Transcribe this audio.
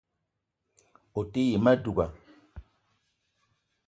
O te yi ma douga